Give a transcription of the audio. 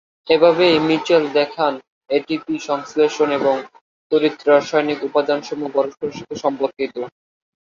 এভাবেই মিচেল দেখান, এটিপি সংশ্লেষণ এবং তড়িৎ-রাসায়নিক উপাদানসমূহ পরস্পরের সাথে সম্পর্কিত।